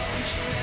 え？